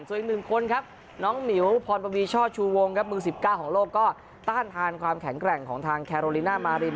ส่วนอีกหนึ่งคนครับน้องหมิวพรปวีช่อชูวงครับมือ๑๙ของโลกก็ต้านทานความแข็งแกร่งของทางแคโรลิน่ามาริน